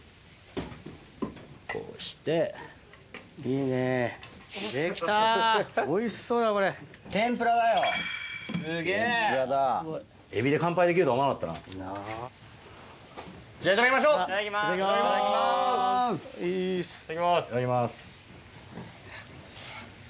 いただきます。